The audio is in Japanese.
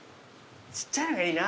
ちっちゃいのがいいな。